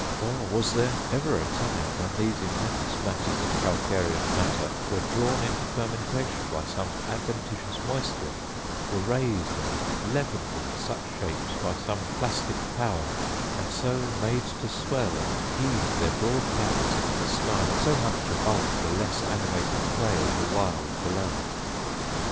Or was there ever a time when these immense masses of calcareous matter were drown into fermentation by some adventitious moisture; were raised and leavened into such shapes by some plastic power; and so made to swell and heave their broad backs into the sky so much above the less animated clay of the wild below?